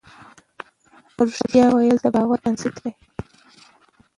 رښتيا ويل د باور بنسټ دی.